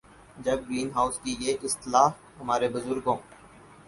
جب greenhouse کی یہ اصطلاح ہمارے بزرگوں